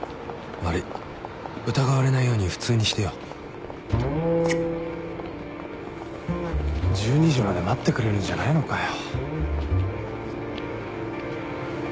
悪い」「疑われないように普通にしてよう」１２時まで待ってくれるんじゃないのかよ。